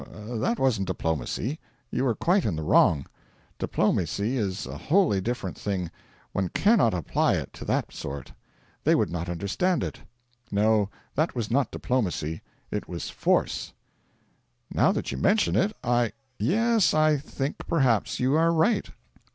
That wasn't diplomacy. You are quite in the wrong. Diplomacy is a wholly different thing. One cannot apply it to that sort; they would not understand it. No, that was not diplomacy; it was force.' 'Now that you mention it, I yes, I think perhaps you are right.'